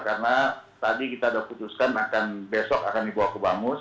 karena tadi kita sudah putuskan akan besok akan dibawa ke bamus